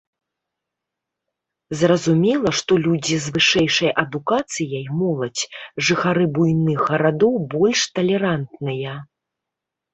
Зразумела, што людзі з вышэйшай адукацыяй, моладзь, жыхары буйных гарадоў больш талерантныя.